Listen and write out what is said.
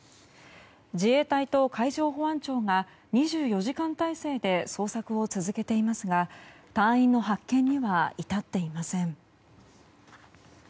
自衛隊と海上保安庁が２４時間態勢で捜索を続けていますが隊員の発見には至っていません。